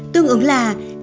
tương ứng là